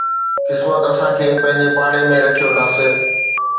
قسمت اسان کي پنهنجي پاڙي ۾ رکيو ناصر